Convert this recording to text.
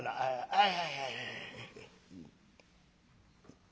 はいはいはい」。